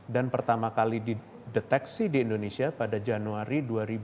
dan pertama kali dideteksi di indonesia pada januari dua ribu dua puluh satu